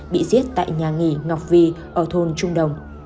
bị giết tại nhà nghỉ ngọc vi ở thôn trung đồng